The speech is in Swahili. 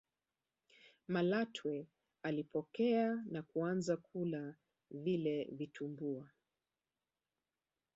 malatwe alipokea na kuanza kula vile vitumbua